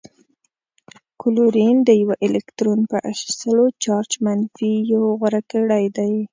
کلورین د یوه الکترون په اخیستلو چارج منفي یو غوره کړی دی.